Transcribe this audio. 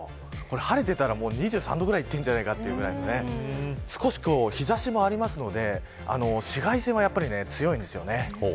晴れていたら２３度ぐらいいってるんじゃないかというぐらい少し日差しもありますので紫外線はやっぱり強いんですよね。